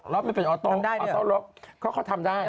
ล็อตไม่เป็นออโต้ออสโต้ล็อคเขาทำได้